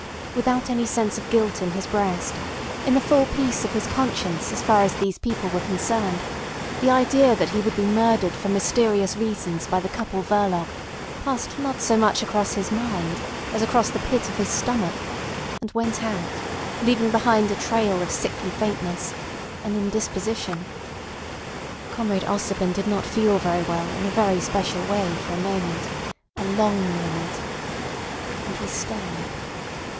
Without any sense of guilt in his breast, in the full peace of his conscience as far as these people were concerned, the idea that he would be murdered for mysterious reasons by the couple Verloc passed not so much across his mind as across the pit of his stomach, and went out, leaving behind a trail of sickly faintness—an indisposition. Comrade Ossipon did not feel very well in a very special way for a moment—a long moment. And he stared.